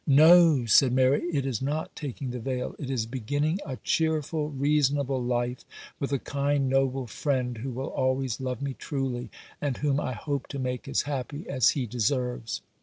'No,' said Mary, 'it is not taking the veil, it is beginning a cheerful, reasonable life with a kind, noble friend who will always love me truly, and whom I hope to make as happy as he deserves.